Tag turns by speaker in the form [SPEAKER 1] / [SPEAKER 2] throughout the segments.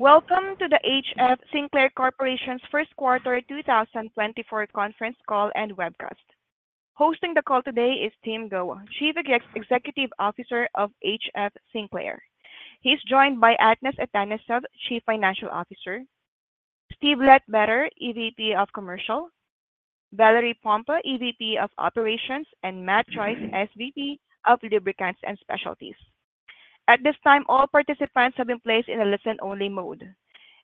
[SPEAKER 1] Welcome to the HF Sinclair Corporation's first quarter 2024 conference call and webcast. Hosting the call today is Tim Go, Chief Executive Officer of HF Sinclair. He's joined by Atanas Atanasov, Chief Financial Officer; Steve Ledbetter, EVP of Commercial; Valerie Pompa, EVP of Operations; and Matt Joyce, SVP of Lubricants and Specialties. At this time, all participants have been placed in a listen-only mode,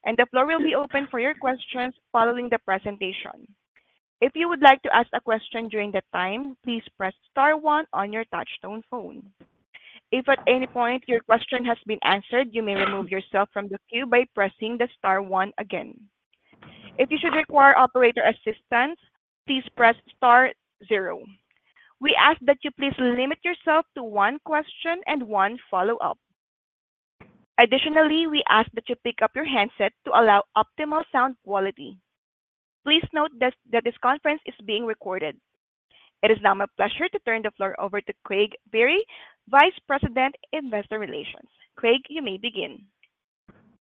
[SPEAKER 1] and the floor will be open for your questions following the presentation. If you would like to ask a question during that time, please press *1 on your touchtone phone. If at any point your question has been answered, you may remove yourself from the queue by pressing the *1 again. If you should require operator assistance, please press *0. We ask that you please limit yourself to one question and one follow-up. Additionally, we ask that you pick up your headset to allow optimal sound quality. Please note that this conference is being recorded. It is now my pleasure to turn the floor over to Craig Biery, Vice President, Investor Relations. Craig, you may begin.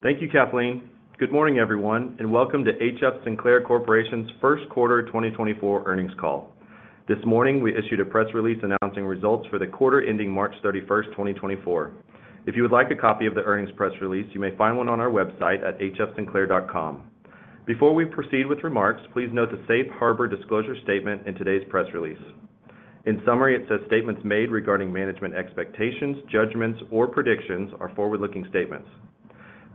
[SPEAKER 2] Thank you, Kathleen. Good morning, everyone, and welcome to HF Sinclair Corporation's first quarter 2024 earnings call. This morning, we issued a press release announcing results for the quarter ending March 31st 2024. If you would like a copy of the earnings press release, you may find one on our website at hfsinclair.com. Before we proceed with remarks, please note the Safe Harbor Disclosure Statement in today's press release. In summary, it says statements made regarding management expectations, judgments, or predictions are forward-looking statements.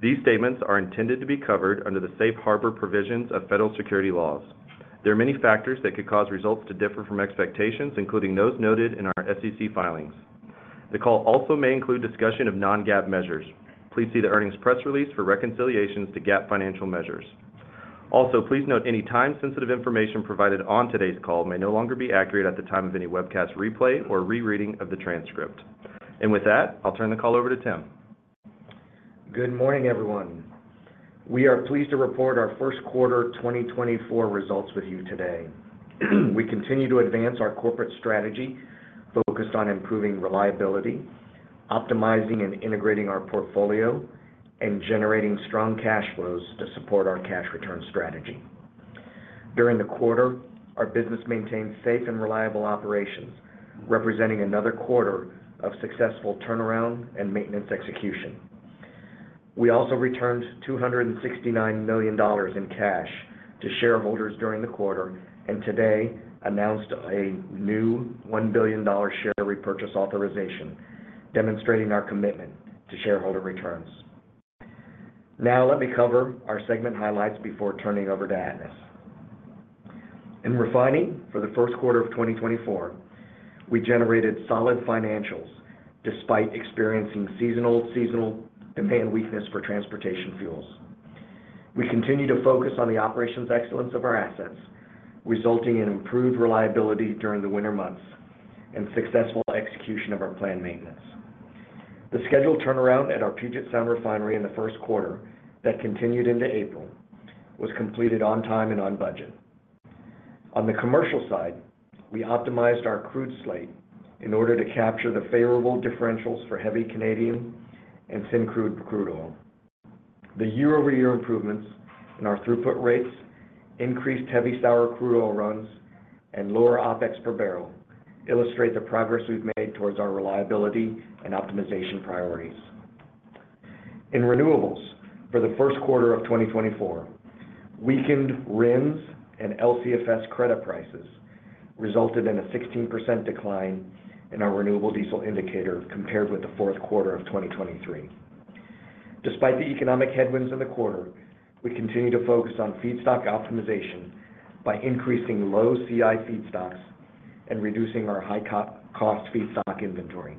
[SPEAKER 2] These statements are intended to be covered under the Safe Harbor provisions of federal securities laws. There are many factors that could cause results to differ from expectations, including those noted in our SEC filings. The call also may include discussion of non-GAAP measures. Please see the earnings press release for reconciliations to GAAP financial measures. Also, please note any time-sensitive information provided on today's call may no longer be accurate at the time of any webcast replay or rereading of the transcript. With that, I'll turn the call over to Tim.
[SPEAKER 3] Good morning, everyone. We are pleased to report our first quarter 2024 results with you today. We continue to advance our corporate strategy focused on improving reliability, optimizing and integrating our portfolio, and generating strong cash flows to support our cash return strategy. During the quarter, our business maintained safe and reliable operations, representing another quarter of successful turnaround and maintenance execution. We also returned $269 million in cash to shareholders during the quarter and today announced a new $1 billion share repurchase authorization, demonstrating our commitment to shareholder returns. Now let me cover our segment highlights before turning over to Atanas. In refining for the first quarter of 2024, we generated solid financials despite experiencing seasonal demand weakness for transportation fuels. We continue to focus on the operations excellence of our assets, resulting in improved reliability during the winter months and successful execution of our planned maintenance. The scheduled turnaround at our Puget Sound Refinery in the first quarter that continued into April was completed on time and on budget. On the commercial side, we optimized our crude slate in order to capture the favorable differentials for Heavy Canadian and Syncrude crude oil. The year-over-year improvements in our throughput rates, increased heavy sour crude oil runs, and lower OPEX per barrel illustrate the progress we've made towards our reliability and optimization priorities. In renewables, for the first quarter of 2024, weakened RINs and LCFS credit prices resulted in a 16% decline in our renewable diesel indicator compared with the fourth quarter of 2023. Despite the economic headwinds in the quarter, we continue to focus on feedstock optimization by increasing low CI feedstocks and reducing our high-cost feedstock inventory.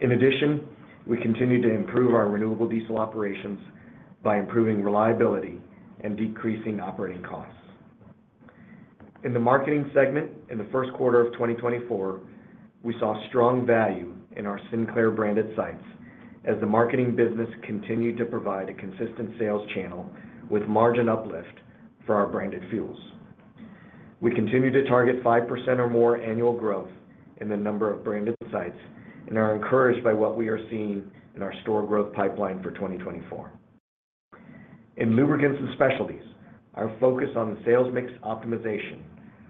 [SPEAKER 3] In addition, we continue to improve our renewable diesel operations by improving reliability and decreasing operating costs. In the marketing segment in the first quarter of 2024, we saw strong value in our Sinclair-branded sites as the marketing business continued to provide a consistent sales channel with margin uplift for our branded fuels. We continue to target 5% or more annual growth in the number of branded sites and are encouraged by what we are seeing in our store growth pipeline for 2024. In lubricants and specialties, our focus on sales mix optimization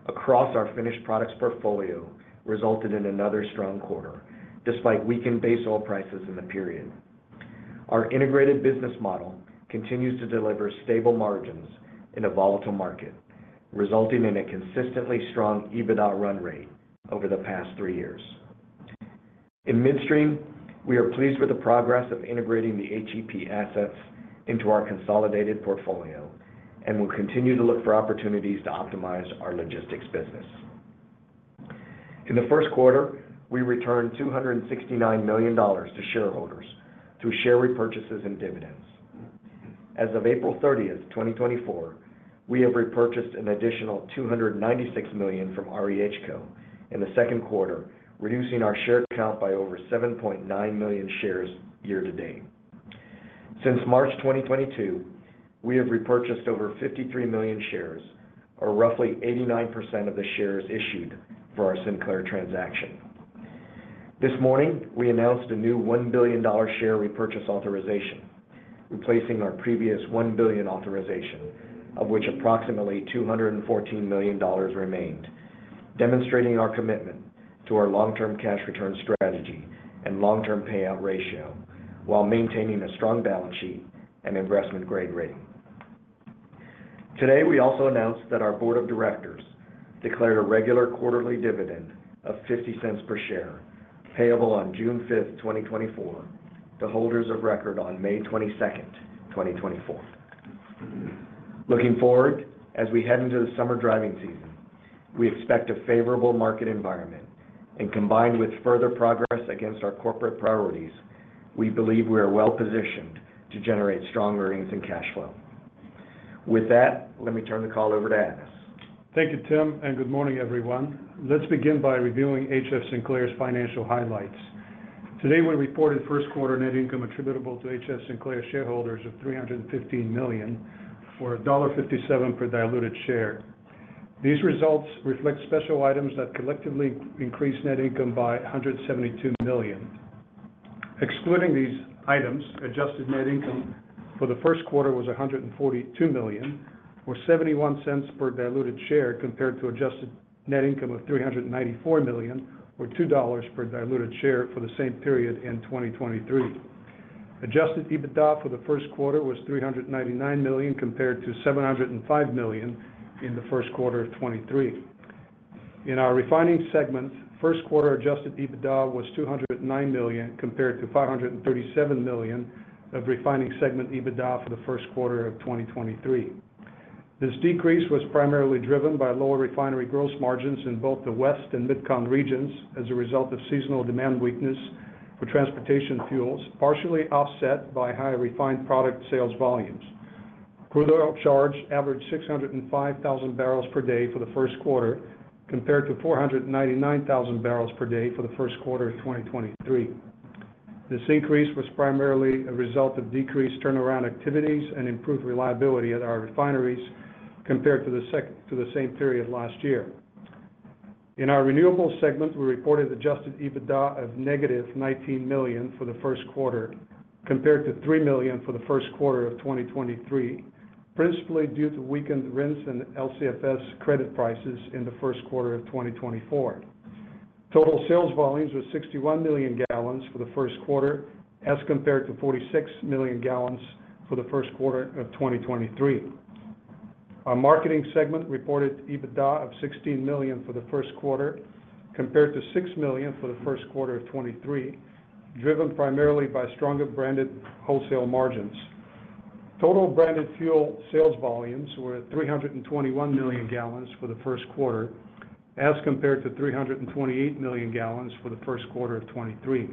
[SPEAKER 3] across our finished products portfolio resulted in another strong quarter despite weakened base oil prices in the period. Our integrated business model continues to deliver stable margins in a volatile market, resulting in a consistently strong EBITDA run rate over the past three years. In midstream, we are pleased with the progress of integrating the HEP assets into our consolidated portfolio and will continue to look for opportunities to optimize our logistics business. In the first quarter, we returned $269 million to shareholders through share repurchases and dividends. As of April 30th 2024, we have repurchased an additional $296 million from REHCO in the second quarter, reducing our share count by over 7.9 million shares year to date. Since March 2022, we have repurchased over $53 million shares, or roughly 89% of the shares issued for our Sinclair transaction. This morning, we announced a new $1 billion share repurchase authorization, replacing our previous $1 billion authorization, of which approximately $214 million remained, demonstrating our commitment to our long-term cash return strategy and long-term payout ratio while maintaining a strong balance sheet and investment-grade rating. Today, we also announced that our board of directors declared a regular quarterly dividend of $0.50 per share payable on June 5th 2024, to holders of record on May 22nd 2024. Looking forward, as we head into the summer driving season, we expect a favorable market environment, and combined with further progress against our corporate priorities, we believe we are well-positioned to generate strong earnings and cash flow. With that, let me turn the call over to Atanas.
[SPEAKER 4] Thank you, Tim, and good morning, everyone. Let's begin by reviewing HF Sinclair's financial highlights. Today, we reported first quarter net income attributable to HF Sinclair shareholders of $315 million or $1.57 per diluted share. These results reflect special items that collectively increased net income by $172 million. Excluding these items, adjusted net income for the first quarter was $142 million or $0.71 per diluted share compared to adjusted net income of $394 million or $2 per diluted share for the same period in 2023. Adjusted EBITDA for the first quarter was $399 million compared to $705 million in the first quarter of 2023. In our refining segment, first quarter adjusted EBITDA was $209 million compared to $537 million of refining segment EBITDA for the first quarter of 2023. This decrease was primarily driven by lower refinery gross margins in both the West and Mid-Con regions as a result of seasonal demand weakness for transportation fuels, partially offset by high refined product sales volumes. Crude oil charge averaged 605,000 barrels per day for the first quarter compared to 499,000 barrels per day for the first quarter of 2023. This increase was primarily a result of decreased turnaround activities and improved reliability at our refineries compared to the same period last year. In our renewables segment, we reported adjusted EBITDA of $-19 million for the first quarter compared to $3 million for the first quarter of 2023, principally due to weakened RINs and LCFS credit prices in the first quarter of 2024. Total sales volumes were 61 million gallons for the first quarter as compared to 46 million gallons for the first quarter of 2023. Our marketing segment reported EBITDA of $16 million for the first quarter compared to $6 million for the first quarter of 2023, driven primarily by stronger branded wholesale margins. Total branded fuel sales volumes were 321 million gallons for the first quarter as compared to 328 million gallons for the first quarter of 2023.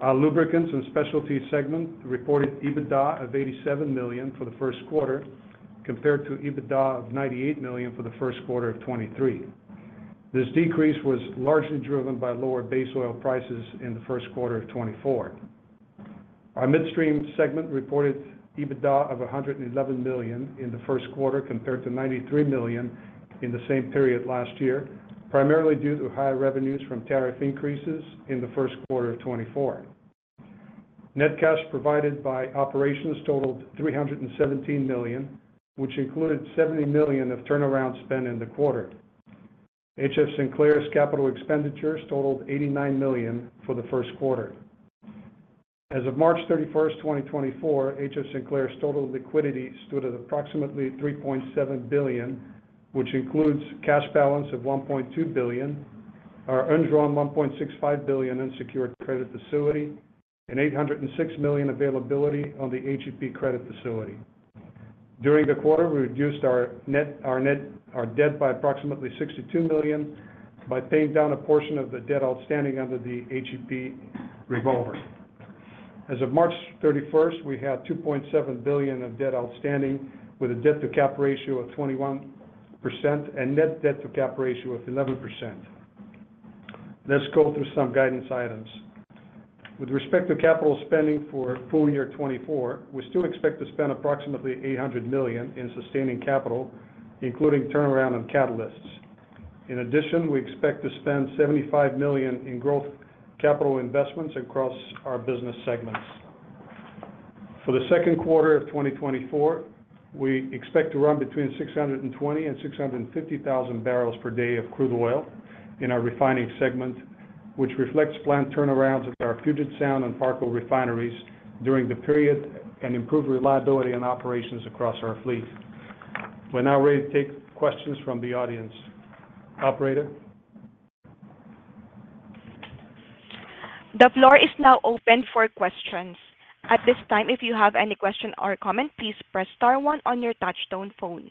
[SPEAKER 4] Our lubricants and specialties segment reported EBITDA of $87 million for the first quarter compared to EBITDA of $98 million for the first quarter of 2023. This decrease was largely driven by lower base oil prices in the first quarter of 2024. Our midstream segment reported EBITDA of $111 million in the first quarter compared to $93 million in the same period last year, primarily due to high revenues from tariff increases in the first quarter of 2024. Net cash provided by operations totaled $317 million, which included $70 million of turnaround spend in the quarter. HF Sinclair's capital expenditures totaled $89 million for the first quarter. As of March 31st 2024, HF Sinclair's total liquidity stood at approximately $3.7 billion, which includes cash balance of $1.2 billion, our undrawn $1.65 billion in secured credit facility, and $806 million availability on the HEP credit facility. During the quarter, we reduced our debt by approximately $62 million by paying down a portion of the debt outstanding under the HEP revolver. As of March 31, we had $2.7 billion of debt outstanding with a debt-to-cap ratio of 21% and net debt-to-cap ratio of 11%. Let's go through some guidance items. With respect to capital spending for full year 2024, we still expect to spend approximately $800 million in sustaining capital, including turnaround and catalysts. In addition, we expect to spend $75 million in growth capital investments across our business segments. For the second quarter of 2024, we expect to run between 620,000 and 650,000 barrels per day of crude oil in our refining segment, which reflects planned turnarounds at our Puget Sound and Parco refineries during the period and improve reliability in operations across our fleet. We're now ready to take questions from the audience. Operator?
[SPEAKER 1] The floor is now open for questions. At this time, if you have any question or comment, please press star 1 on your touchtone phone.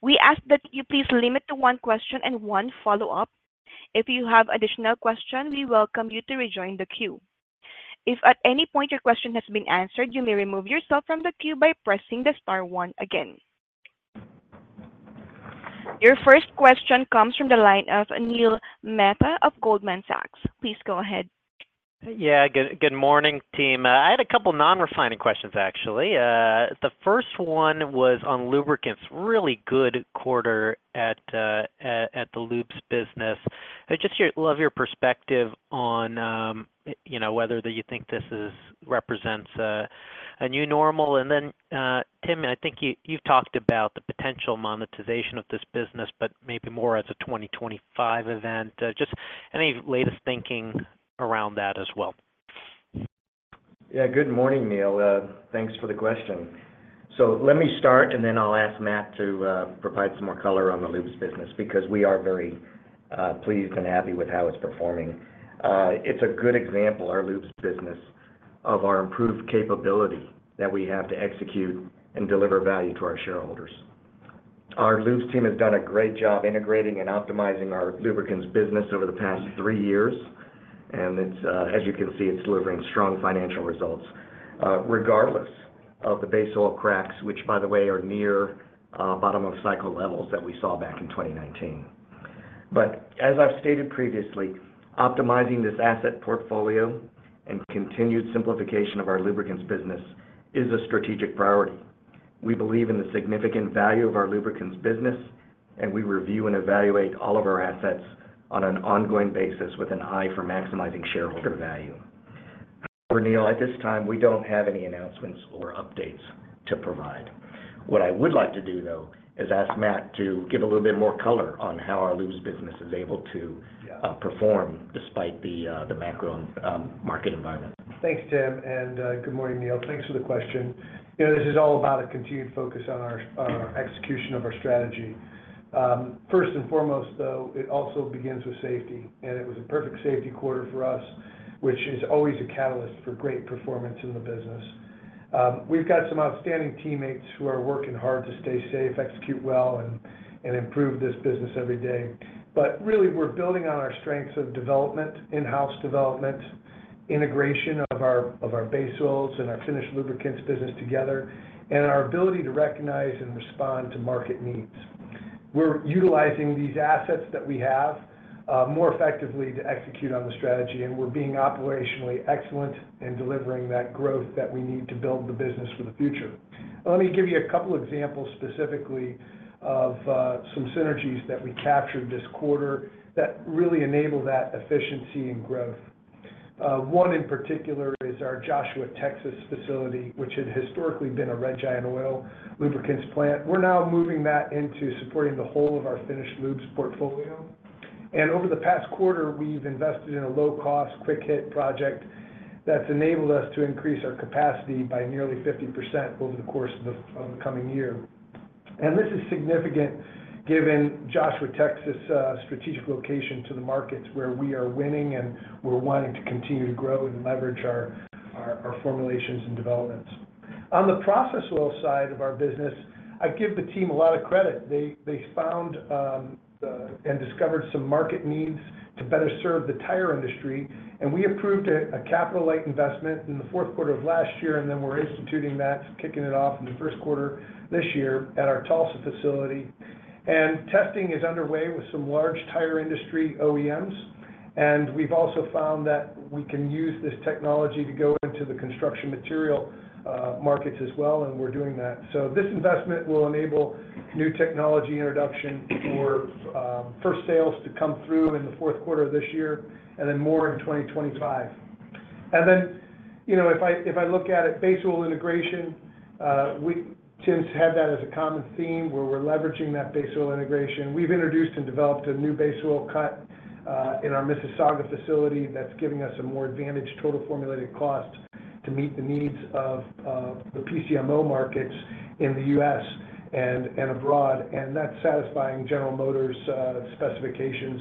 [SPEAKER 1] We ask that you please limit to one question and one follow-up. If you have additional questions, we welcome you to rejoin the queue. If at any point your question has been answered, you may remove yourself from the queue by pressing the star 1 again. Your first question comes from the line of Neil Mehta of Goldman Sachs. Please go ahead.
[SPEAKER 5] Yeah, good morning, team. I had a couple non-refining questions, actually. The first one was on lubricants, really good quarter at the Lubes business. I'd just love your perspective on whether you think this represents a new normal. And then, Tim, I think you've talked about the potential monetization of this business, but maybe more as a 2025 event. Just any latest thinking around that as well.
[SPEAKER 3] Yeah, good morning, Neil. Thanks for the question. So let me start, and then I'll ask Matt to provide some more color on the Lubes business because we are very pleased and happy with how it's performing. It's a good example, our Lubes business, of our improved capability that we have to execute and deliver value to our shareholders. Our Lubes team has done a great job integrating and optimizing our lubricants business over the past three years, and as you can see, it's delivering strong financial results regardless of the base oil cracks, which, by the way, are near bottom-of-cycle levels that we saw back in 2019. But as I've stated previously, optimizing this asset portfolio and continued simplification of our lubricants business is a strategic priority. We believe in the significant value of our lubricants business, and we review and evaluate all of our assets on an ongoing basis with an eye for maximizing shareholder value. However, Neil, at this time, we don't have any announcements or updates to provide. What I would like to do, though, is ask Matt to give a little bit more color on how our Lubes business is able to perform despite the macro market environment.
[SPEAKER 6] Thanks, Tim, and good morning, Neil. Thanks for the question. This is all about a continued focus on our execution of our strategy. First and foremost, though, it also begins with safety, and it was a perfect safety quarter for us, which is always a catalyst for great performance in the business. We've got some outstanding teammates who are working hard to stay safe, execute well, and improve this business every day. But really, we're building on our strengths of development, in-house development, integration of our base oils and our finished lubricants business together, and our ability to recognize and respond to market needs. We're utilizing these assets that we have more effectively to execute on the strategy, and we're being operationally excellent in delivering that growth that we need to build the business for the future. Let me give you a couple examples specifically of some synergies that we captured this quarter that really enable that efficiency and growth. One in particular is our Joshua, Texas, facility, which had historically been a Red Giant Oil lubricants plant. We're now moving that into supporting the whole of our finished Lubes portfolio. Over the past quarter, we've invested in a low-cost, quick-hit project that's enabled us to increase our capacity by nearly 50% over the course of the coming year. This is significant given Joshua, Texas's strategic location to the markets where we are winning, and we're wanting to continue to grow and leverage our formulations and developments. On the process oil side of our business, I give the team a lot of credit. They found and discovered some market needs to better serve the tire industry, and we approved a capital light investment in the fourth quarter of last year, and then we're instituting that, kicking it off in the first quarter this year at our Tulsa facility. And testing is underway with some large tire industry OEMs, and we've also found that we can use this technology to go into the construction material markets as well, and we're doing that. So this investment will enable new technology introduction for first sales to come through in the fourth quarter of this year and then more in 2025. And then if I look at it, base oil integration, Tim's had that as a common theme where we're leveraging that base oil integration. We've introduced and developed a new base oil cut in our Mississauga facility that's giving us a more advantaged total formulated cost to meet the needs of the PCMO markets in the U.S. and abroad, and that's satisfying General Motors' specifications.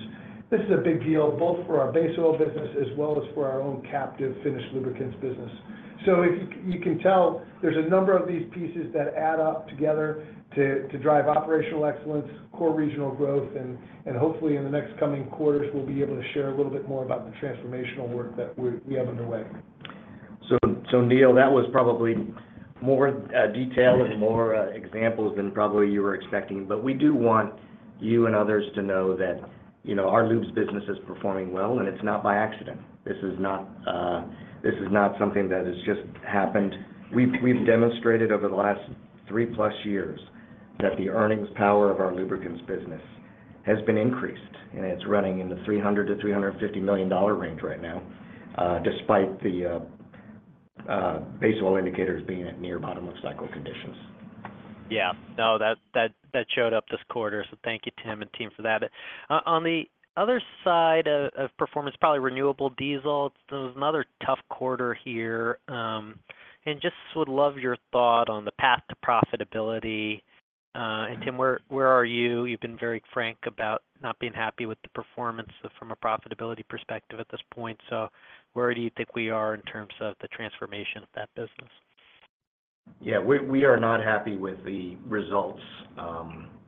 [SPEAKER 6] This is a big deal both for our base oil business as well as for our own captive finished lubricants business. So you can tell there's a number of these pieces that add up together to drive operational excellence, core regional growth, and hopefully, in the next coming quarters, we'll be able to share a little bit more about the transformational work that we have underway.
[SPEAKER 3] Neil, that was probably more detail and more examples than probably you were expecting, but we do want you and others to know that our Lubes business is performing well, and it's not by accident. This is not something that has just happened. We've demonstrated over the last three-plus years that the earnings power of our lubricants business has been increased, and it's running in the $300-$350 million range right now despite the base oil indicators being at near bottom-of-cycle conditions.
[SPEAKER 5] Yeah. No, that showed up this quarter, so thank you, Tim and team, for that. On the other side of performance, probably renewable diesel, it was another tough quarter here, and just would love your thought on the path to profitability. And Tim, where are you? You've been very frank about not being happy with the performance from a profitability perspective at this point. So where do you think we are in terms of the transformation of that business?
[SPEAKER 3] Yeah, we are not happy with the results,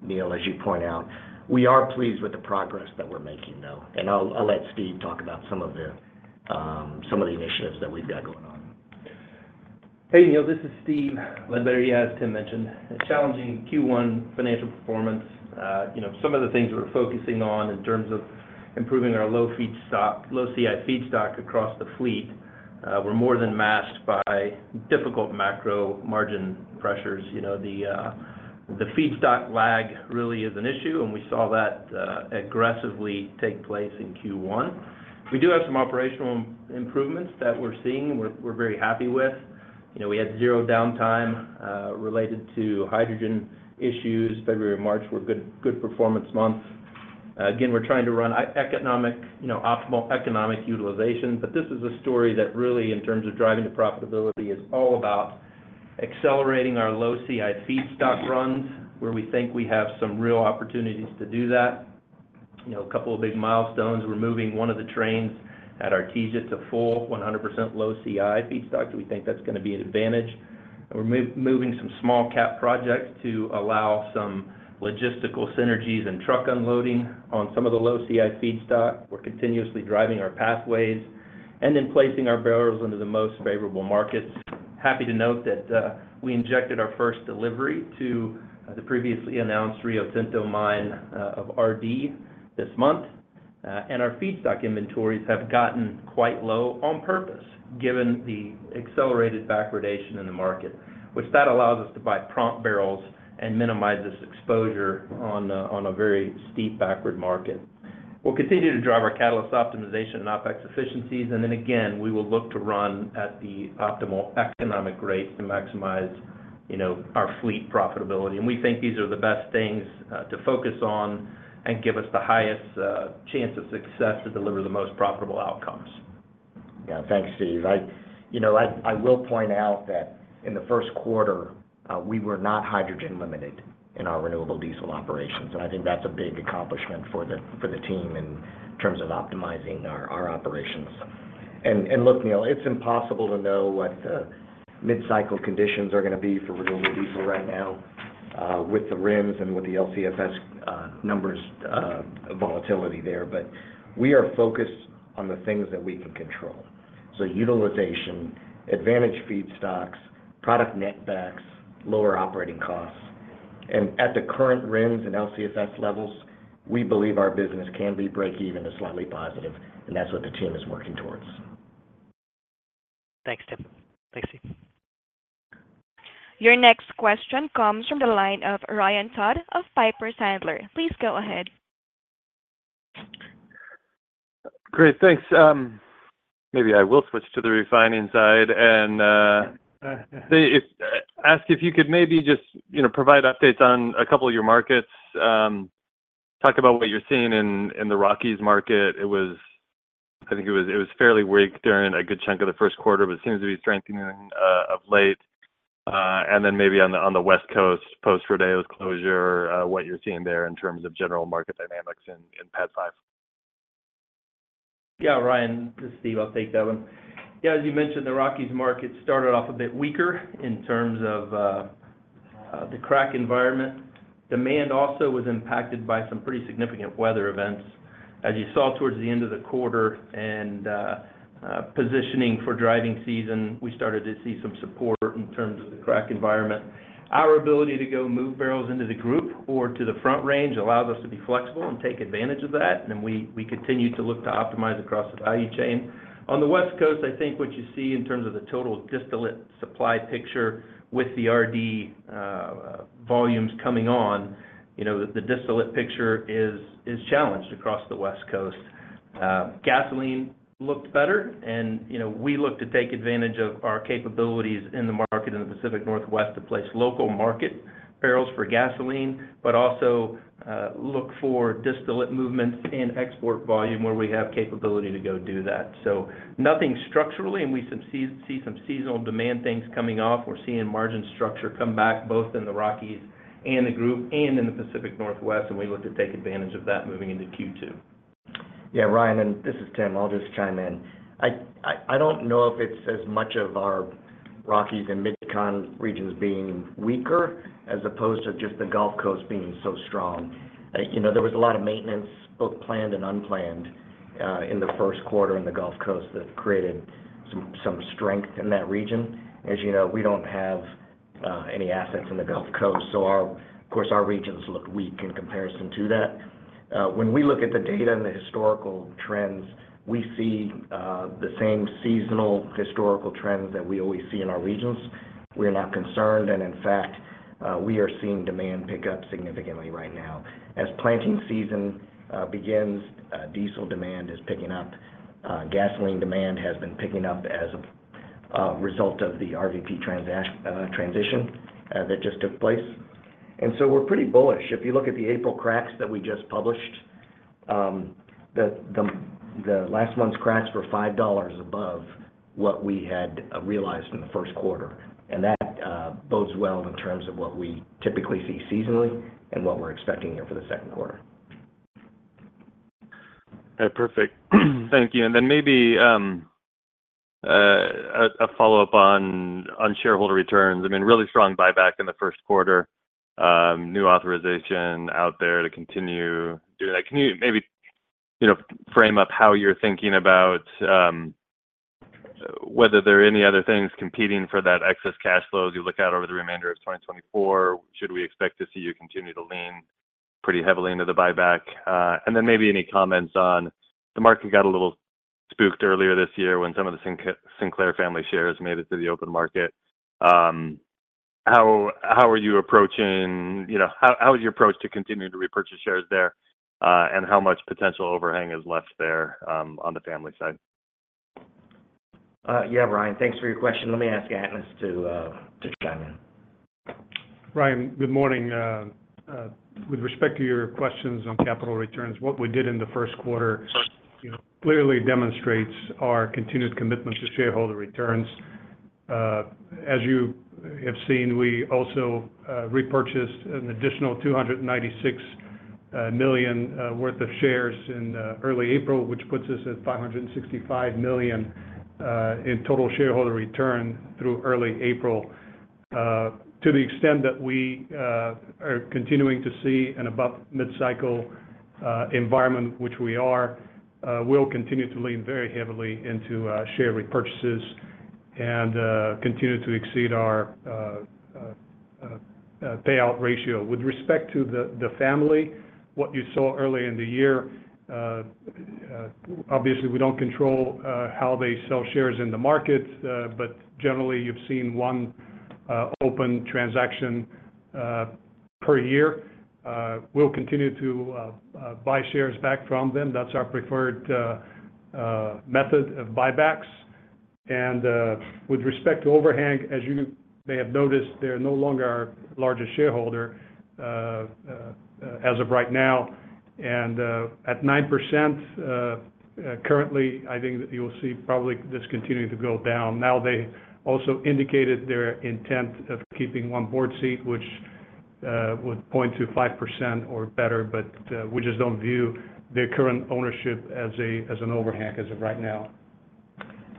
[SPEAKER 3] Neil, as you point out. We are pleased with the progress that we're making, though, and I'll let Steve talk about some of the initiatives that we've got going on.
[SPEAKER 7] Hey, Neil. This is Steve Ledbetter, as Tim mentioned. Challenging Q1 financial performance. Some of the things we're focusing on in terms of improving our low CI feedstock across the fleet were more than masked by difficult macro margin pressures. The feedstock lag really is an issue, and we saw that aggressively take place in Q1. We do have some operational improvements that we're seeing, and we're very happy with. We had zero downtime related to hydrogen issues. February and March were good performance months. Again, we're trying to run optimal economic utilization, but this is a story that really, in terms of driving to profitability, is all about accelerating our low CI feedstock runs where we think we have some real opportunities to do that. A couple of big milestones. We're moving one of the trains at Artesia to full 100% low CI feedstock. We think that's going to be an advantage. We're moving some small-cap projects to allow some logistical synergies and truck unloading on some of the low CI feedstock. We're continuously driving our pathways and then placing our barrels into the most favorable markets. Happy to note that we injected our first delivery to the previously announced Rio Tinto mine of RD this month, and our feedstock inventories have gotten quite low on purpose given the accelerated backwardation in the market, which allows us to buy prompt barrels and minimize this exposure on a very steep backward market. We'll continue to drive our catalyst optimization and OPEX efficiencies, and then again, we will look to run at the optimal economic rates to maximize our fleet profitability. We think these are the best things to focus on and give us the highest chance of success to deliver the most profitable outcomes.
[SPEAKER 3] Yeah, thanks, Steve. I will point out that in the first quarter, we were not hydrogen-limited in our renewable diesel operations, and I think that's a big accomplishment for the team in terms of optimizing our operations. Look, Neil, it's impossible to know what mid-cycle conditions are going to be for renewable diesel right now with the RINs and with the LCFS numbers volatility there, but we are focused on the things that we can control. Utilization, advantaged feedstocks, product netbacks, lower operating costs. At the current RINs and LCFS levels, we believe our business can be break-even to slightly positive, and that's what the team is working towards.
[SPEAKER 5] Thanks, Tim. Thanks, Steve.
[SPEAKER 1] Your next question comes from the line of Ryan Todd of Piper Sandler. Please go ahead.
[SPEAKER 8] Great, thanks. Maybe I will switch to the refining side and ask if you could maybe just provide updates on a couple of your markets. Talk about what you're seeing in the Rockies market. I think it was fairly weak during a good chunk of the first quarter, but it seems to be strengthening of late. And then maybe on the West Coast, post-Rodeo's closure, what you're seeing there in terms of general market dynamics in PADD five.
[SPEAKER 7] Yeah, Ryan, this is Steve. I'll take that one. Yeah, as you mentioned, the Rockies market started off a bit weaker in terms of the crack environment. Demand also was impacted by some pretty significant weather events. As you saw towards the end of the quarter and positioning for driving season, we started to see some support in terms of the crack environment. Our ability to go move barrels into the Gulf or to the Front Range allows us to be flexible and take advantage of that, and we continue to look to optimize across the value chain. On the West Coast, I think what you see in terms of the total distillate supply picture with the RD volumes coming on, the distillate picture is challenged across the West Coast. Gasoline looked better, and we looked to take advantage of our capabilities in the market in the Pacific Northwest to place local market barrels for gasoline, but also look for distillate movements and export volume where we have capability to go do that. So nothing structurally, and we see some seasonal demand things coming off. We're seeing margin structure come back both in the Rockies and the group and in the Pacific Northwest, and we look to take advantage of that moving into Q2.
[SPEAKER 3] Yeah, Ryan, and this is Tim. I'll just chime in. I don't know if it's as much of our Rockies and Mid-Con regions being weaker as opposed to just the Gulf Coast being so strong. There was a lot of maintenance, both planned and unplanned, in the first quarter in the Gulf Coast that created some strength in that region. As you know, we don't have any assets in the Gulf Coast, so of course, our regions looked weak in comparison to that. When we look at the data and the historical trends, we see the same seasonal historical trends that we always see in our regions. We are not concerned, and in fact, we are seeing demand pick up significantly right now. As planting season begins, diesel demand is picking up. Gasoline demand has been picking up as a result of the RVP transition that just took place. And so we're pretty bullish. If you look at the April cracks that we just published, the last month's cracks were $5 above what we had realized in the first quarter, and that bodes well in terms of what we typically see seasonally and what we're expecting here for the second quarter.
[SPEAKER 8] Perfect. Thank you. And then maybe a follow-up on shareholder returns. I mean, really strong buyback in the first quarter, new authorization out there to continue doing that. Can you maybe frame up how you're thinking about whether there are any other things competing for that excess cash flow as you look out over the remainder of 2024? Should we expect to see you continue to lean pretty heavily into the buyback? And then maybe any comments on the market got a little spooked earlier this year when some of the Sinclair family shares made it to the open market. How are you approaching how is your approach to continuing to repurchase shares there, and how much potential overhang is left there on the family side?
[SPEAKER 3] Yeah, Ryan, thanks for your question. Let me ask Atanas to chime in.
[SPEAKER 4] Ryan, good morning. With respect to your questions on capital returns, what we did in the first quarter clearly demonstrates our continued commitment to shareholder returns. As you have seen, we also repurchased an additional $296 million worth of shares in early April, which puts us at $565 million in total shareholder return through early April. To the extent that we are continuing to see an above-mid-cycle environment, which we are, we'll continue to lean very heavily into share repurchases and continue to exceed our payout ratio. With respect to the family, what you saw early in the year, obviously, we don't control how they sell shares in the market, but generally, you've seen one open transaction per year. We'll continue to buy shares back from them. That's our preferred method of buybacks. With respect to overhang, as you may have noticed, they're no longer our largest shareholder as of right now. At 9% currently, I think that you'll see probably this continuing to go down. Now, they also indicated their intent of keeping one board seat, which would point to 5% or better, but we just don't view their current ownership as an overhang as of right now.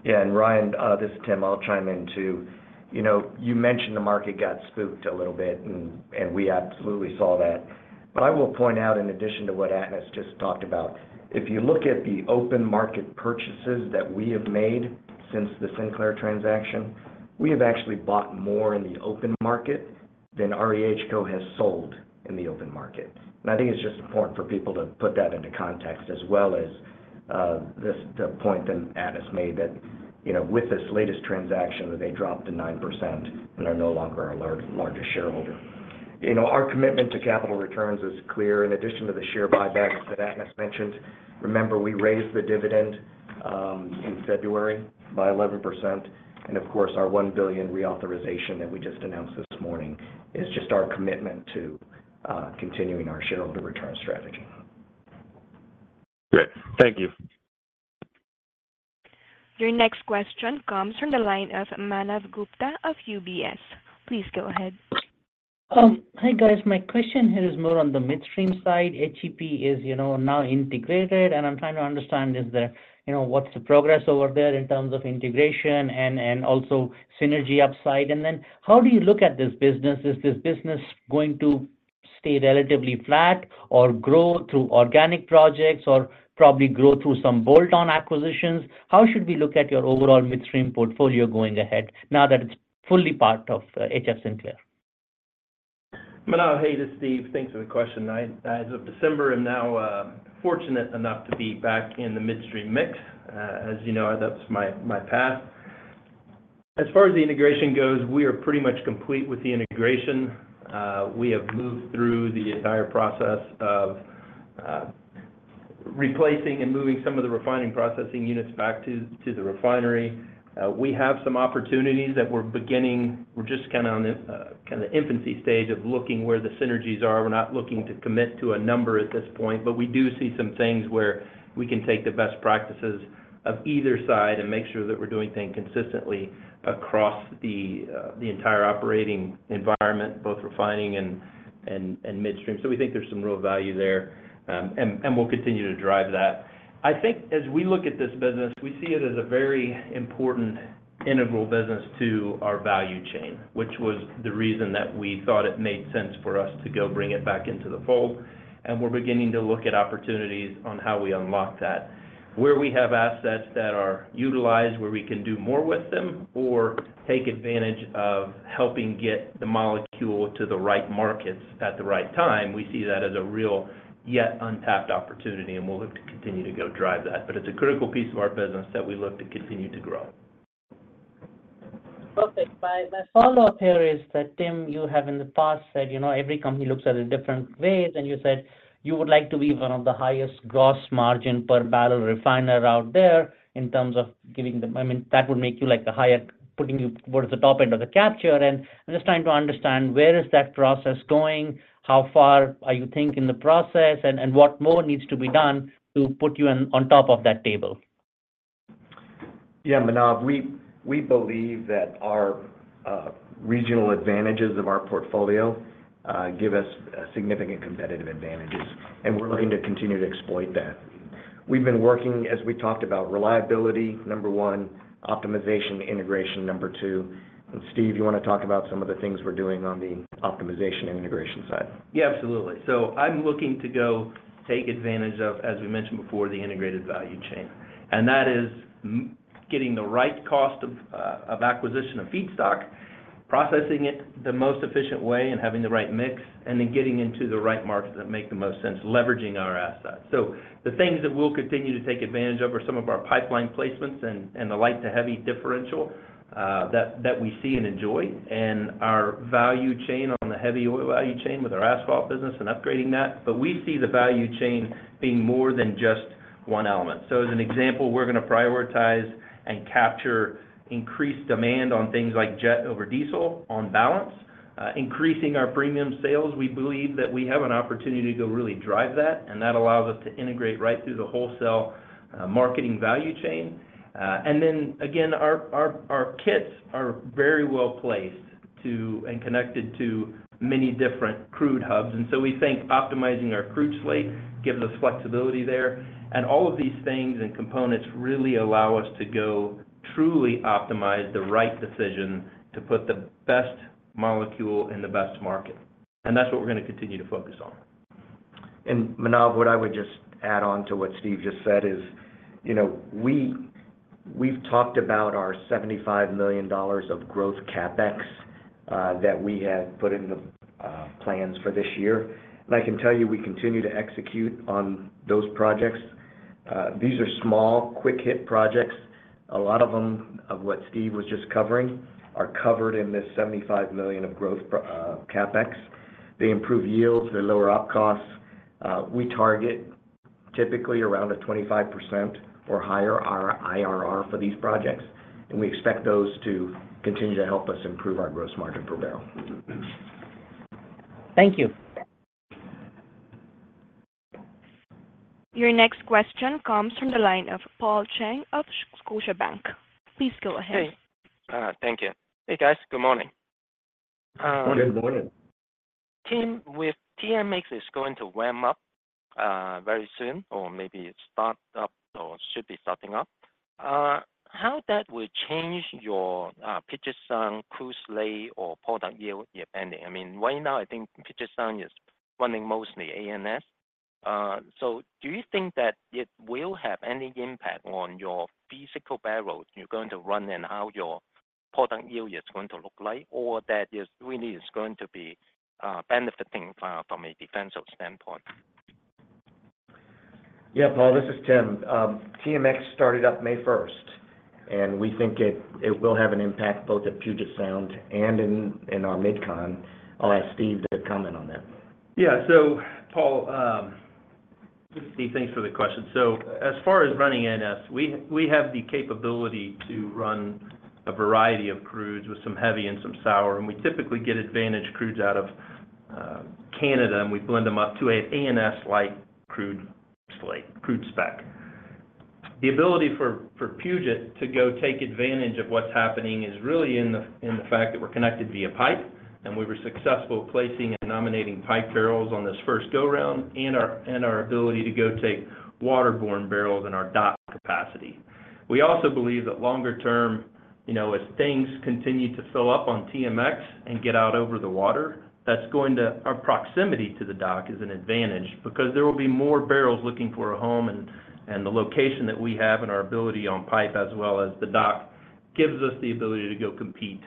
[SPEAKER 3] Yeah, and Ryan, this is Tim. I'll chime in too. You mentioned the market got spooked a little bit, and we absolutely saw that. But I will point out, in addition to what Atanas just talked about, if you look at the open market purchases that we have made since the Sinclair transaction, we have actually bought more in the open market than REHCO has sold in the open market. I think it's just important for people to put that into context as well as the point that Atanas made that with this latest transaction, they dropped to 9% and are no longer our largest shareholder. Our commitment to capital returns is clear. In addition to the share buybacks that Atanas mentioned, remember, we raised the dividend in February by 11%. Of course, our $1 billion reauthorization that we just announced this morning is just our commitment to continuing our shareholder return strategy.
[SPEAKER 8] Great. Thank you.
[SPEAKER 1] Your next question comes from the line of Manav Gupta of UBS. Please go ahead.
[SPEAKER 9] Hi, guys. My question here is more on the midstream side. HEP is now integrated, and I'm trying to understand what's the progress over there in terms of integration and also synergy upside. And then how do you look at this business? Is this business going to stay relatively flat or grow through organic projects or probably grow through some bolt-on acquisitions? How should we look at your overall midstream portfolio going ahead now that it's fully part of HF Sinclair?
[SPEAKER 7] Hello. Hey, this is Steve. Thanks for the question. As of December, I'm now fortunate enough to be back in the midstream mix. As you know, that's my path. As far as the integration goes, we are pretty much complete with the integration. We have moved through the entire process of replacing and moving some of the refining processing units back to the refinery. We have some opportunities that we're beginning. We're just kind of on the infancy stage of looking where the synergies are. We're not looking to commit to a number at this point, but we do see some things where we can take the best practices of either side and make sure that we're doing things consistently across the entire operating environment, both refining and midstream. So we think there's some real value there, and we'll continue to drive that. I think as we look at this business, we see it as a very important integral business to our value chain, which was the reason that we thought it made sense for us to go bring it back into the fold. We're beginning to look at opportunities on how we unlock that. Where we have assets that are utilized, where we can do more with them or take advantage of helping get the molecule to the right markets at the right time, we see that as a real yet untapped opportunity, and we'll look to continue to go drive that. It's a critical piece of our business that we look to continue to grow.
[SPEAKER 9] Perfect. My follow-up here is that, Tim, you have in the past said every company looks at it different ways, and you said you would like to be one of the highest gross margin per barrel refiner out there in terms of giving them mean, that would make you a higher putting you towards the top end of the capture. And I'm just trying to understand where is that process going? How far are you thinking in the process, and what more needs to be done to put you on top of that table?
[SPEAKER 3] Yeah, Manav, we believe that our regional advantages of our portfolio give us significant competitive advantages, and we're looking to continue to exploit that. We've been working, as we talked about, reliability, number one, optimization, integration, number two. And Steve, you want to talk about some of the things we're doing on the optimization and integration side?
[SPEAKER 7] Yeah, absolutely. So I'm looking to go take advantage of, as we mentioned before, the integrated value chain. And that is getting the right cost of acquisition of feedstock, processing it the most efficient way, and having the right mix, and then getting into the right markets that make the most sense, leveraging our assets. So the things that we'll continue to take advantage of are some of our pipeline placements and the light-to-heavy differential that we see and enjoy and our value chain on the heavy oil value chain with our asphalt business and upgrading that. But we see the value chain being more than just one element. So as an example, we're going to prioritize and capture increased demand on things like jet over diesel on balance, increasing our premium sales. We believe that we have an opportunity to go really drive that, and that allows us to integrate right through the wholesale marketing value chain. And then again, our sites are very well placed and connected to many different crude hubs. And so we think optimizing our crude slate gives us flexibility there. And all of these things and components really allow us to go truly optimize the right decision to put the best molecule in the best market. And that's what we're going to continue to focus on.
[SPEAKER 3] Manav, what I would just add on to what Steve just said is we've talked about our $75 million of growth CapEx that we have put in the plans for this year. I can tell you we continue to execute on those projects. These are small, quick-hit projects. A lot of them of what Steve was just covering are covered in this $75 million of growth CapEx. They improve yields. They lower Op costs. We target typically around a 25% or higher IRR for these projects, and we expect those to continue to help us improve our gross margin per barrel.
[SPEAKER 9] Thank you.
[SPEAKER 1] Your next question comes from the line of Paul Cheng of Scotiabank. Please go ahead.
[SPEAKER 10] Hey. Thank you. Hey, guys. Good morning.
[SPEAKER 2] Good morning.
[SPEAKER 10] Tim, with TMX, it's going to warm up very soon or maybe start up or should be starting up. How that would change your Puget Sound crude slate, or product yield, depending? I mean, right now, I think Puget Sound is running mostly ANS. So do you think that it will have any impact on your physical barrels you're going to run and how your product yield is going to look like, or that it really is going to be benefiting from a defensive standpoint?
[SPEAKER 3] Yeah, Paul, this is Tim. TMX started up May 1st, and we think it will have an impact both at Puget Sound and in our Mid-Con. I'll ask Steve to comment on that.
[SPEAKER 7] Yeah. So Paul, this is Steve. Thanks for the question. So as far as running ANS, we have the capability to run a variety of crudes with some heavy and some sour. And we typically get advantage crudes out of Canada, and we blend them up to a ANS-like crude slate, crude spec. The ability for Puget to go take advantage of what's happening is really in the fact that we're connected via pipe, and we were successful placing and nominating pipe barrels on this first go-round and our ability to go take waterborne barrels in our dock capacity. We also believe that longer term, as things continue to fill up on TMX and get out over the water, our proximity to the dock is an advantage because there will be more barrels looking for a home, and the location that we have and our ability on pipe as well as the dock gives us the ability to go compete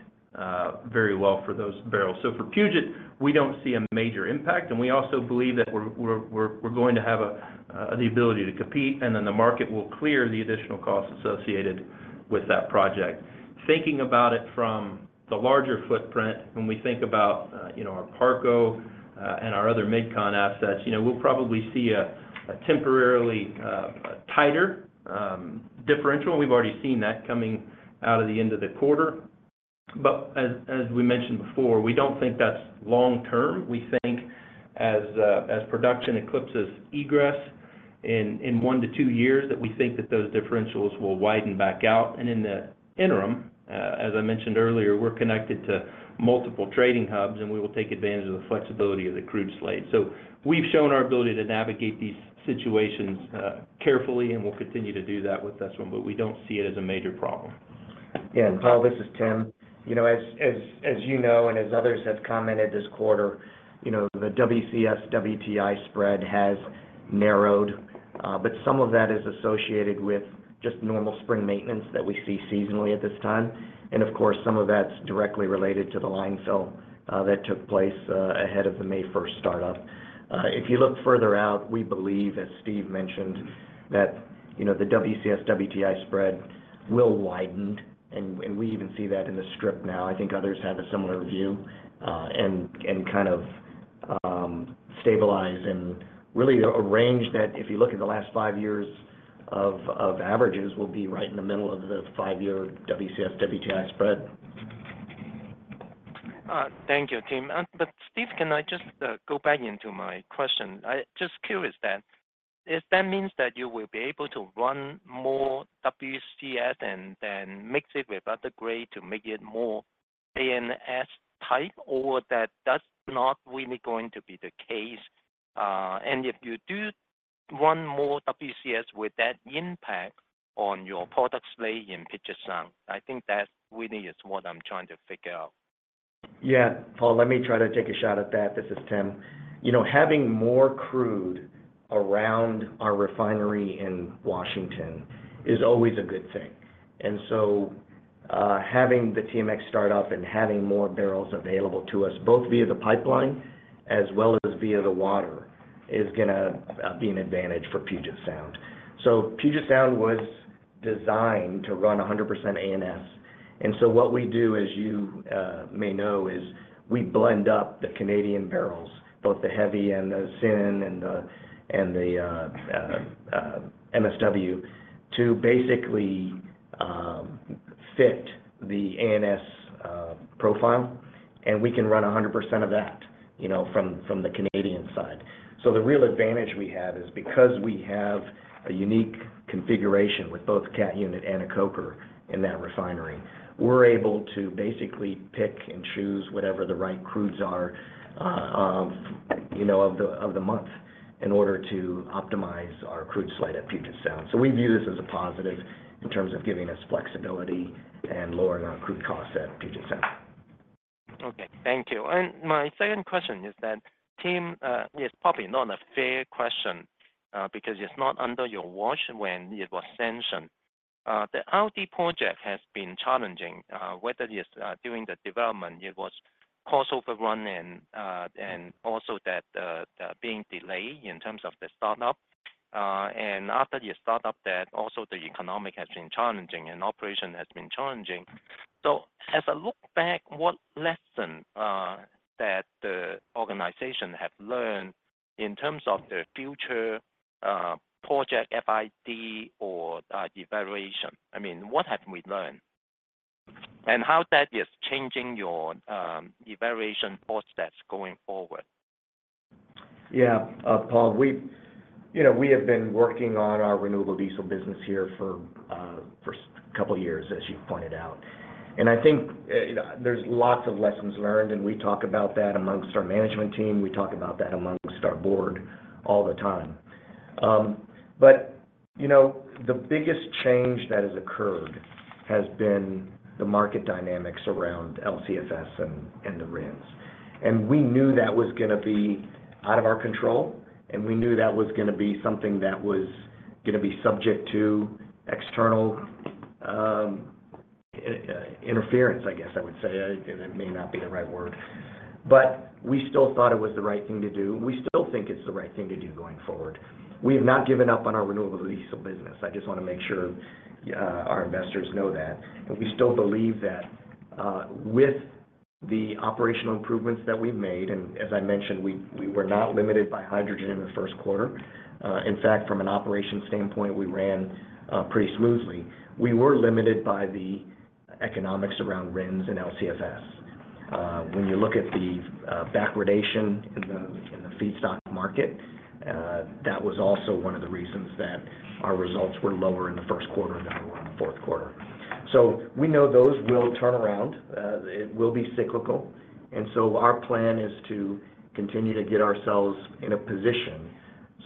[SPEAKER 7] very well for those barrels. So for Puget, we don't see a major impact. And we also believe that we're going to have the ability to compete, and then the market will clear the additional costs associated with that project. Thinking about it from the larger footprint, when we think about our Parco and our other Midcon assets, we'll probably see a temporarily tighter differential. We've already seen that coming out of the end of the quarter. But as we mentioned before, we don't think that's long term. We think as production eclipses egress in one to two years, that we think that those differentials will widen back out. In the interim, as I mentioned earlier, we're connected to multiple trading hubs, and we will take advantage of the flexibility of the crude slate. We've shown our ability to navigate these situations carefully, and we'll continue to do that with this one, but we don't see it as a major problem.
[SPEAKER 3] Yeah. Paul, this is Tim. As you know and as others have commented this quarter, the WCS/WTI spread has narrowed, but some of that is associated with just normal spring maintenance that we see seasonally at this time. And of course, some of that's directly related to the line fill that took place ahead of the May 1st startup. If you look further out, we believe, as Steve mentioned, that the WCS/WTI spread will widen, and we even see that in the strip now. I think others have a similar view and kind of stabilize and really range that if you look at the last five years of averages, we'll be right in the middle of the five-year WCS/WTI spread.
[SPEAKER 10] Thank you, Tim. But Steve, can I just go back into my question? I'm just curious that if that means that you will be able to run more WCS and mix it with other grade to make it more ANS type, or that that's not really going to be the case? And if you do run more WCS, would that impact on your product slate in Puget Sound? I think that really is what I'm trying to figure out.
[SPEAKER 3] Yeah. Paul, let me try to take a shot at that. This is Tim. Having more crude around our refinery in Washington is always a good thing. And so having the TMX startup and having more barrels available to us, both via the pipeline as well as via the water, is going to be an advantage for Puget Sound. So Puget Sound was designed to run 100% ANS. And so what we do, as you may know, is we blend up the Canadian barrels, both the heavy and the Syncrude and the MSW, to basically fit the ANS profile. And we can run 100% of that from the Canadian side. So the real advantage we have is because we have a unique configuration with both cat unit and a Coker in that refinery, we're able to basically pick and choose whatever the right crudes are of the month in order to optimize our crude slate at Puget Sound. So we view this as a positive in terms of giving us flexibility and lowering our crude costs at Puget Sound.
[SPEAKER 10] Okay. Thank you. And my second question is that, Tim, it's probably not a fair question because it's not under your watch when it was sanctioned. The RD project has been challenging, whether it's during the development, it was cost overrun, and also being delayed in terms of the startup. And after you start up that, also the economic has been challenging and operation has been challenging. So as I look back, what lesson did the organization learn in terms of their future project FID or evaluation? I mean, what have we learned? And how that is changing your evaluation process going forward?
[SPEAKER 3] Yeah, Paul, we have been working on our renewable diesel business here for a couple of years, as you pointed out. And I think there's lots of lessons learned, and we talk about that amongst our management team. We talk about that amongst our board all the time. But the biggest change that has occurred has been the market dynamics around LCFS and the RINS. And we knew that was going to be out of our control, and we knew that was going to be something that was going to be subject to external interference, I guess I would say. That may not be the right word. But we still thought it was the right thing to do. We still think it's the right thing to do going forward. We have not given up on our renewable diesel business. I just want to make sure our investors know that. We still believe that with the operational improvements that we've made and as I mentioned, we were not limited by hydrogen in the first quarter. In fact, from an operation standpoint, we ran pretty smoothly. We were limited by the economics around RINs and LCFS. When you look at the backwardation in the feedstock market, that was also one of the reasons that our results were lower in the first quarter than they were in the fourth quarter. So we know those will turn around. It will be cyclical. And so our plan is to continue to get ourselves in a position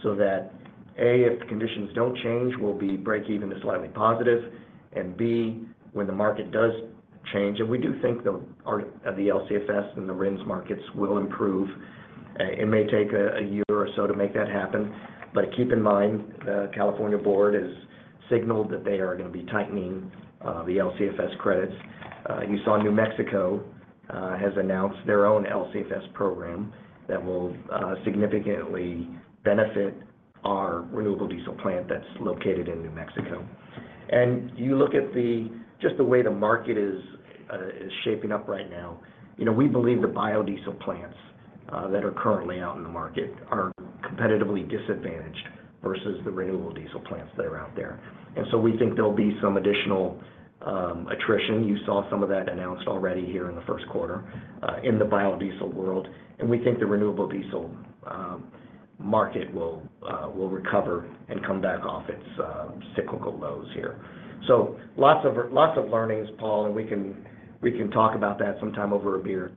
[SPEAKER 3] so that, A, if the conditions don't change, we'll be break-even to slightly positive, and B, when the market does change and we do think the LCFS and the RINs markets will improve. It may take a year or so to make that happen. But keep in mind, the California board has signaled that they are going to be tightening the LCFS credits. You saw New Mexico has announced their own LCFS program that will significantly benefit our renewable diesel plant that's located in New Mexico. And you look at just the way the market is shaping up right now, we believe the biodiesel plants that are currently out in the market are competitively disadvantaged versus the renewable diesel plants that are out there. And so we think there'll be some additional attrition. You saw some of that announced already here in the first quarter in the biodiesel world. And we think the renewable diesel market will recover and come back off its cyclical lows here. So lots of learnings, Paul, and we can talk about that sometime over a beer.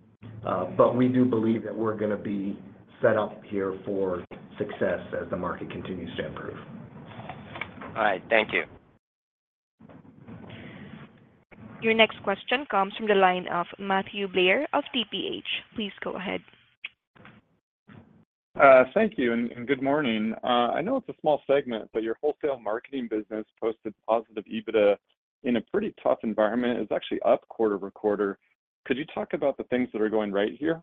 [SPEAKER 3] We do believe that we're going to be set up here for success as the market continues to improve.
[SPEAKER 10] All right. Thank you.
[SPEAKER 1] Your next question comes from the line of Matthew Blair of TPH. Please go ahead.
[SPEAKER 11] Thank you and good morning. I know it's a small segment, but your wholesale marketing business posted positive EBITDA in a pretty tough environment. It's actually up quarter over quarter. Could you talk about the things that are going right here?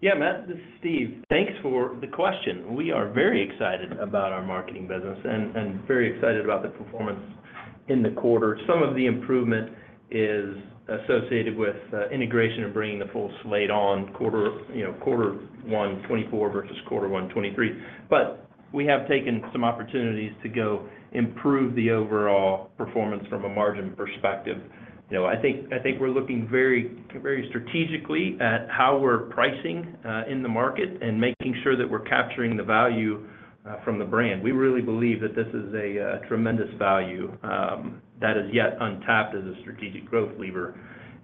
[SPEAKER 7] Yeah, Matt, this is Steve. Thanks for the question. We are very excited about our marketing business and very excited about the performance in the quarter. Some of the improvement is associated with integration and bringing the full slate on quarter one 2024 versus quarter one 2023. But we have taken some opportunities to go improve the overall performance from a margin perspective. I think we're looking very strategically at how we're pricing in the market and making sure that we're capturing the value from the brand. We really believe that this is a tremendous value that is yet untapped as a strategic growth lever.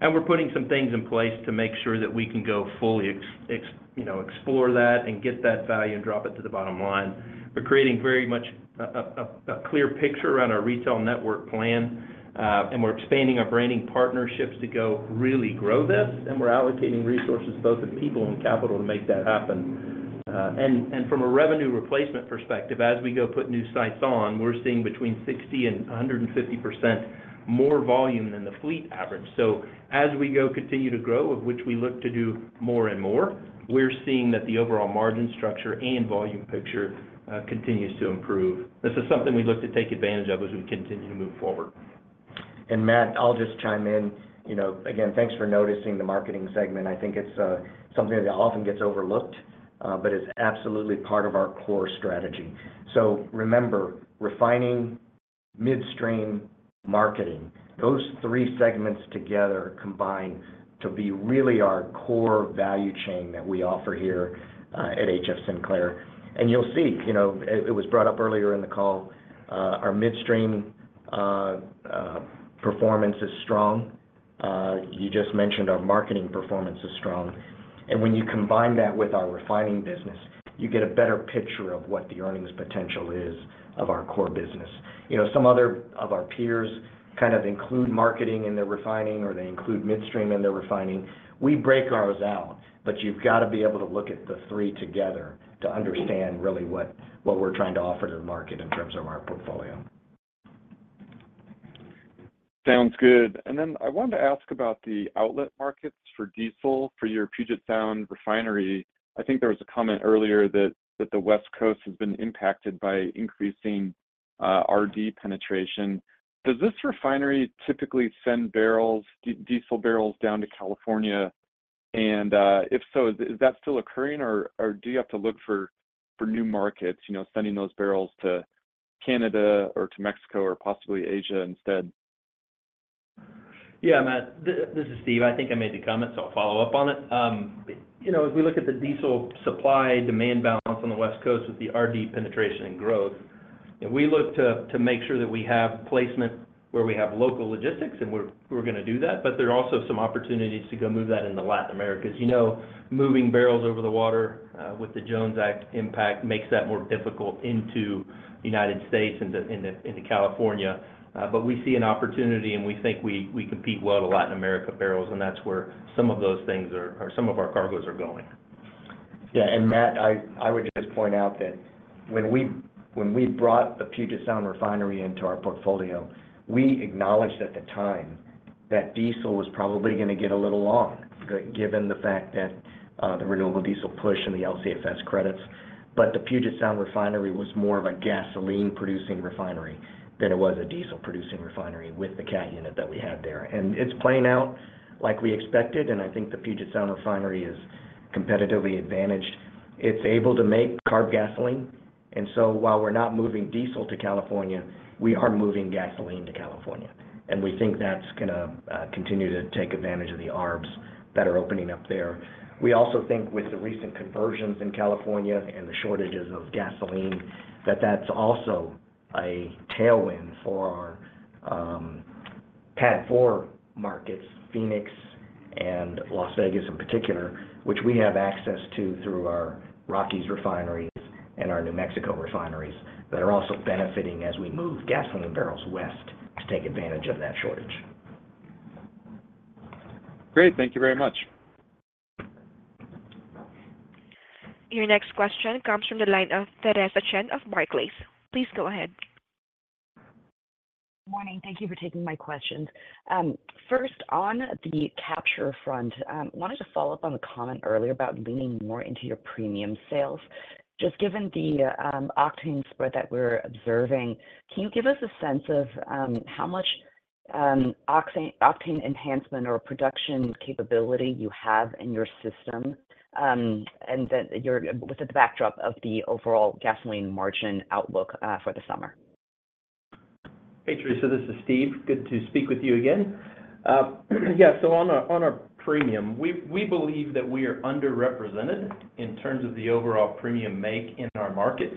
[SPEAKER 7] We're putting some things in place to make sure that we can go fully explore that and get that value and drop it to the bottom line. We're creating very much a clear picture around our retail network plan, and we're expanding our branding partnerships to go really grow this. And we're allocating resources both in people and capital to make that happen. And from a revenue replacement perspective, as we go put new sites on, we're seeing between 60% and 150% more volume than the fleet average. So as we go continue to grow, of which we look to do more and more, we're seeing that the overall margin structure and volume picture continues to improve. This is something we look to take advantage of as we continue to move forward.
[SPEAKER 3] Matt, I'll just chime in. Again, thanks for noticing the marketing segment. I think it's something that often gets overlooked but is absolutely part of our core strategy. So remember, refining, midstream, marketing, those three segments together combine to be really our core value chain that we offer here at HF Sinclair. And you'll see it was brought up earlier in the call. Our midstream performance is strong. You just mentioned our marketing performance is strong. And when you combine that with our refining business, you get a better picture of what the earnings potential is of our core business. Some other of our peers kind of include marketing in their refining or they include midstream in their refining. We break ours out, but you've got to be able to look at the three together to understand really what we're trying to offer to the market in terms of our portfolio.
[SPEAKER 11] Sounds good. And then I wanted to ask about the outlet markets for diesel for your Puget Sound refinery. I think there was a comment earlier that the West Coast has been impacted by increasing RD penetration. Does this refinery typically send diesel barrels down to California? And if so, is that still occurring, or do you have to look for new markets, sending those barrels to Canada or to Mexico or possibly Asia instead?
[SPEAKER 7] Yeah, Matt, this is Steve. I think I made the comment, so I'll follow up on it. As we look at the diesel supply-demand balance on the West Coast with the RD penetration and growth, we look to make sure that we have placement where we have local logistics, and we're going to do that. But there are also some opportunities to go move that into Latin America. As you know, moving barrels over the water with the Jones Act impact makes that more difficult into the United States and into California. But we see an opportunity, and we think we compete well to Latin America barrels, and that's where some of those things or some of our cargoes are going.
[SPEAKER 3] Yeah. And Matt, I would just point out that when we brought the Puget Sound refinery into our portfolio, we acknowledged at the time that diesel was probably going to get a little long given the fact that the renewable diesel push and the LCFS credits. But the Puget Sound refinery was more of a gasoline-producing refinery than it was a diesel-producing refinery with the Cat Unit that we had there. And it's playing out like we expected, and I think the Puget Sound refinery is competitively advantaged. It's able to make CARB gasoline. And so while we're not moving diesel to California, we are moving gasoline to California. And we think that's going to continue to take advantage of the arbs that are opening up there. We also think with the recent conversions in California and the shortages of gasoline, that that's also a tailwind for our PADD 4 markets, Phoenix and Las Vegas in particular, which we have access to through our Rockies refineries and our New Mexico refineries that are also benefiting as we move gasoline barrels west to take advantage of that shortage.
[SPEAKER 12] Great. Thank you very much.
[SPEAKER 1] Your next question comes from the line of Theresa Chen of Barclays. Please go ahead.
[SPEAKER 13] Good morning. Thank you for taking my questions. First, on the capture front, I wanted to follow up on the comment earlier about leaning more into your premium sales. Just given the octane spread that we're observing, can you give us a sense of how much octane enhancement or production capability you have in your system with the backdrop of the overall gasoline margin outlook for the summer?
[SPEAKER 7] Hey, Theresa. This is Steve. Good to speak with you again. Yeah. So on our premium, we believe that we are underrepresented in terms of the overall premium make in our markets.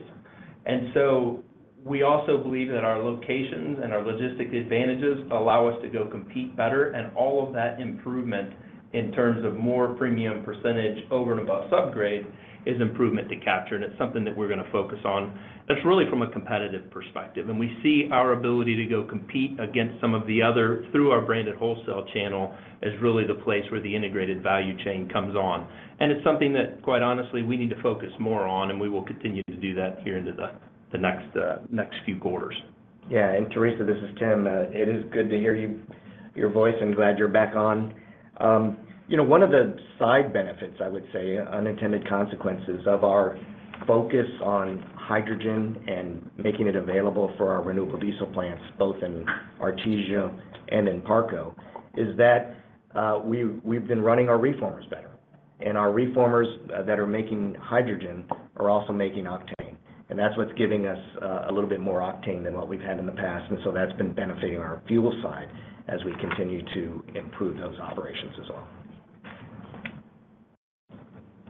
[SPEAKER 7] And so we also believe that our locations and our logistics advantages allow us to go compete better. And all of that improvement in terms of more premium percentage over and above subgrade is improvement to capture, and it's something that we're going to focus on. That's really from a competitive perspective. And we see our ability to go compete against some of the other through our branded wholesale channel as really the place where the integrated value chain comes on. And it's something that, quite honestly, we need to focus more on, and we will continue to do that here into the next few quarters.
[SPEAKER 3] Yeah. And Theresa, this is Tim. It is good to hear your voice and glad you're back on. One of the side benefits, I would say, unintended consequences of our focus on hydrogen and making it available for our renewable diesel plants, both in Artesia and in Parco, is that we've been running our reformers better. And our reformers that are making hydrogen are also making octane. And that's what's giving us a little bit more octane than what we've had in the past. And so that's been benefiting our fuel side as we continue to improve those operations as well.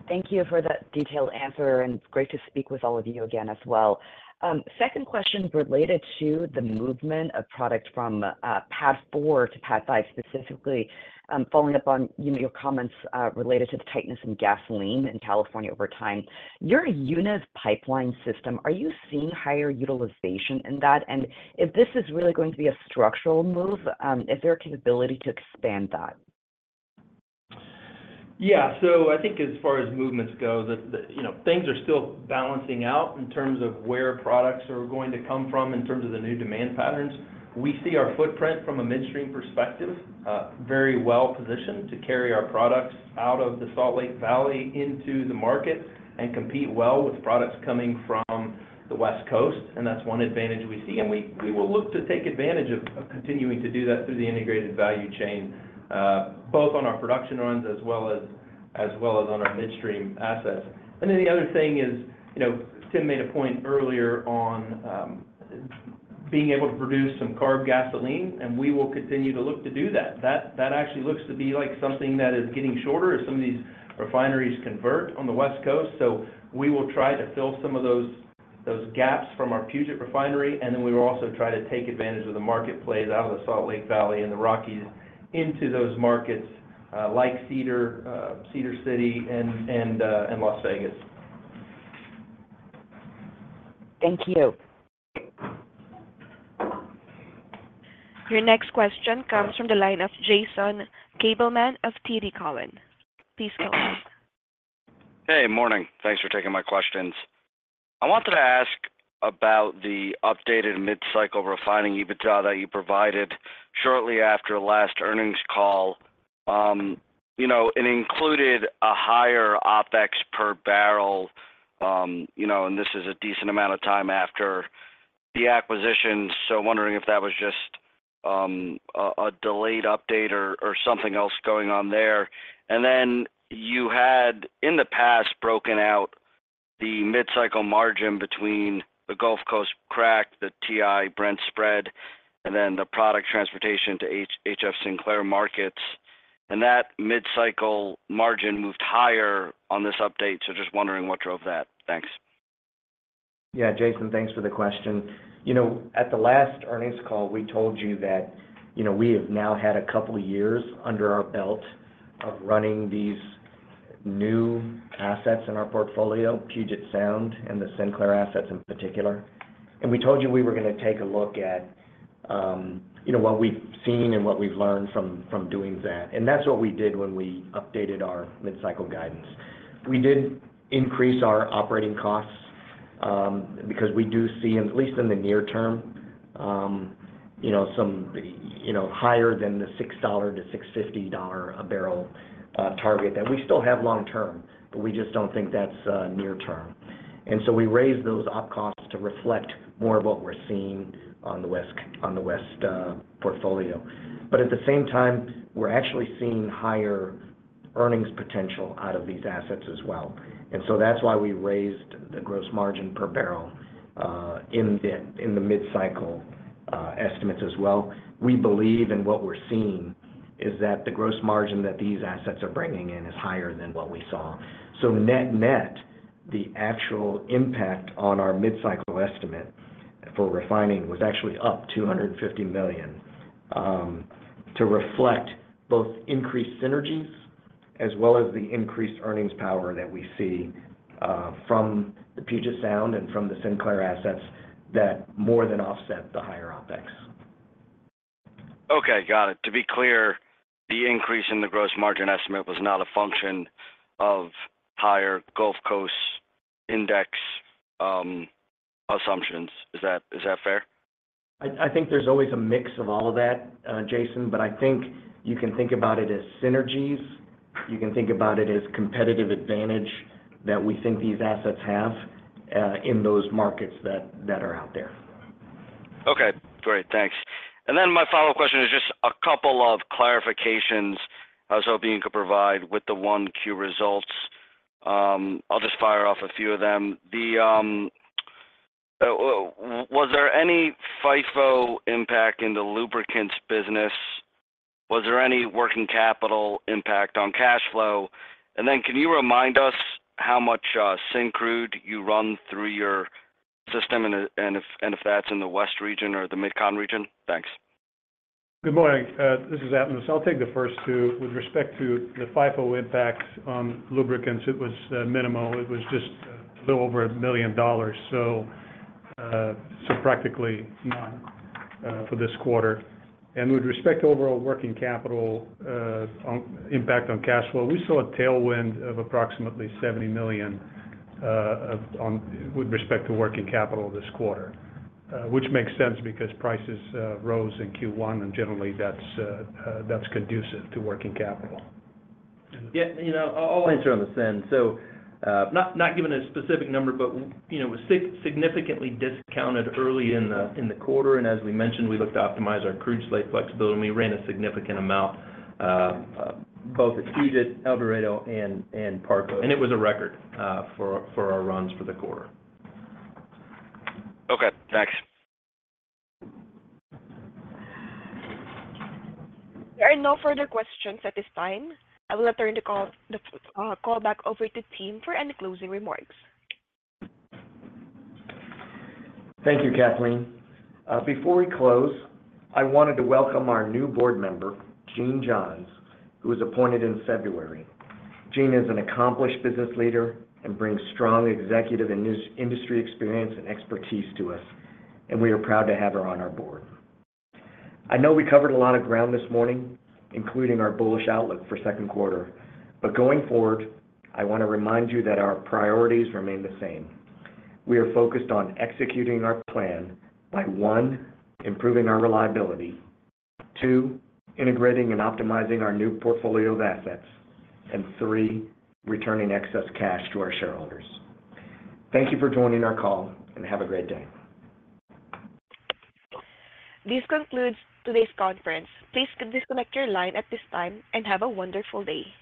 [SPEAKER 13] Thank you for that detailed answer, and it's great to speak with all of you again as well. Second question related to the movement of product from PADD fourto PADD five specifically, following up on your comments related to the tightness in gasoline in California over time. Your UNEV pipeline system, are you seeing higher utilization in that? And if this is really going to be a structural move, is there a capability to expand that?
[SPEAKER 7] Yeah. So I think as far as movements go, things are still balancing out in terms of where products are going to come from in terms of the new demand patterns. We see our footprint from a midstream perspective very well positioned to carry our products out of the Salt Lake Valley into the market and compete well with products coming from the West Coast. And that's one advantage we see. And we will look to take advantage of continuing to do that through the integrated value chain, both on our production runs as well as on our midstream assets. And then the other thing is Tim made a point earlier on being able to produce some CARB gasoline, and we will continue to look to do that. That actually looks to be something that is getting shorter as some of these refineries convert on the West Coast. So we will try to fill some of those gaps from our Puget Sound refinery, and then we will also try to take advantage of the marketplace out of the Salt Lake Valley and the Rockies into those markets like Cedar City and Las Vegas.
[SPEAKER 13] Thank you.
[SPEAKER 1] Your next question comes from the line of Jason Gabelman of TD Cowen. Please go ahead.
[SPEAKER 14] Hey, good morning. Thanks for taking my questions. I wanted to ask about the updated midcycle refining EBITDA that you provided shortly after last earnings call. It included a higher OPEX per barrel, and this is a decent amount of time after the acquisition. So wondering if that was just a delayed update or something else going on there. And then you had, in the past, broken out the midcycle margin between the Gulf Coast crack, the WTI-Brent spread, and then the product transportation to HF Sinclair markets. And that midcycle margin moved higher on this update. So just wondering what drove that. Thanks.
[SPEAKER 3] Yeah, Jason, thanks for the question. At the last earnings call, we told you that we have now had a couple of years under our belt of running these new assets in our portfolio, Puget Sound and the Sinclair assets in particular. And we told you we were going to take a look at what we've seen and what we've learned from doing that. And that's what we did when we updated our midcycle guidance. We did increase our operating costs because we do see, at least in the near term, some higher than the $6-$6.50 a barrel target that we still have long term, but we just don't think that's near term. And so we raised those op costs to reflect more of what we're seeing on the West portfolio. But at the same time, we're actually seeing higher earnings potential out of these assets as well. And so that's why we raised the gross margin per barrel in the midcycle estimates as well. We believe, and what we're seeing, is that the gross margin that these assets are bringing in is higher than what we saw. So net-net, the actual impact on our midcycle estimate for refining was actually up $250 million to reflect both increased synergies as well as the increased earnings power that we see from the Puget Sound and from the Sinclair assets that more than offset the higher OPEX.
[SPEAKER 14] Okay. Got it. To be clear, the increase in the gross margin estimate was not a function of higher Gulf Coast index assumptions. Is that fair?
[SPEAKER 7] I think there's always a mix of all of that, Jason, but I think you can think about it as synergies. You can think about it as competitive advantage that we think these assets have in those markets that are out there.
[SPEAKER 14] Okay. Great. Thanks. And then my follow-up question is just a couple of clarifications I was hoping you could provide with the 1Q results. I'll just fire off a few of them. Was there any FIFO impact in the lubricants business? Was there any working capital impact on cash flow? And then can you remind us how much Syncrude you run through your system and if that's in the West region or the Mid-Con region? Thanks.
[SPEAKER 4] Good morning. This is Atanas. I'll take the first two. With respect to the FIFO impact on lubricants, it was minimal. It was just a little over $1 million, so practically none for this quarter. With respect to overall working capital impact on cash flow, we saw a tailwind of approximately $70 million with respect to working capital this quarter, which makes sense because prices rose in Q1, and generally, that's conducive to working capital.
[SPEAKER 7] Yeah. I'll answer on the send. So not giving a specific number, but it was significantly discounted early in the quarter. And as we mentioned, we looked to optimize our crude slate flexibility, and we ran a significant amount both at Puget, El Dorado, and Parco. And it was a record for our runs for the quarter.
[SPEAKER 14] Okay. Thanks.
[SPEAKER 1] There are no further questions at this time. I will turn the call back over to Tim for any closing remarks.
[SPEAKER 3] Thank you, Kathleen. Before we close, I wanted to welcome our new board member, Jeanne Johns, who was appointed in February. Jeanne is an accomplished business leader and brings strong executive and industry experience and expertise to us, and we are proud to have her on our board. I know we covered a lot of ground this morning, including our bullish outlook for second quarter. But going forward, I want to remind you that our priorities remain the same. We are focused on executing our plan by, one, improving our reliability, two, integrating and optimizing our new portfolio of assets, and three, returning excess cash to our shareholders. Thank you for joining our call, and have a great day.
[SPEAKER 1] This concludes today's conference. Please disconnect your line at this time and have a wonderful day.